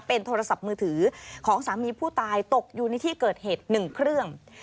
เป็นโทรศัพท์มือถือของสามีผู้ตายตกอยู่ในที่เกิดเหตุ๑เครื่อง